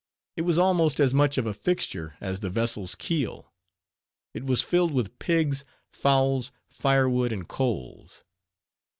It was almost as much of a fixture as the vessel's keel. It was filled with pigs, fowls, firewood, and coals.